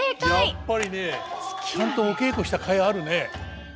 やっぱりねちゃんとお稽古したかいあるね。